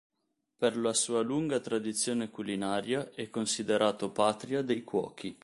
Per la sua lunga tradizione culinaria è considerato patria dei cuochi.